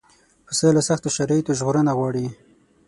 پسه له سختو شرایطو ژغورنه غواړي.